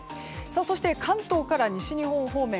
そして関東から西日本方面。